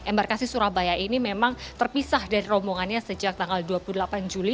mereka memang terpisah dari rombongannya sejak tanggal dua puluh delapan juli